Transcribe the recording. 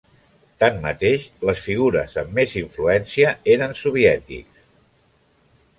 Tanmateix, les figures amb més influència eren soviètics.